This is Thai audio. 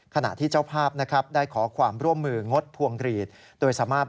ขณะที่เจ้าภาพได้ขอความร่วมมืองดพวงกรีด